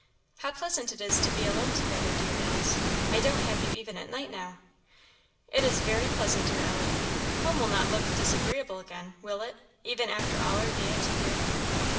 "How pleasant it is to be alone together, dear Alice! I don't have you even at night now." "It is very pleasant, dear Ellie! Home will not look disagreeable again, will it, even after all our gaiety here?"